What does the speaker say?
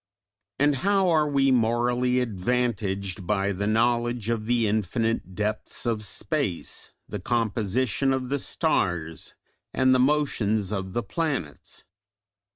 And how are we morally advantaged by the knowledge of the infinite depths of space, the composition of the stars and the motions of the planets?